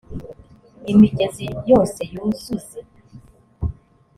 imigezi yose yuzuze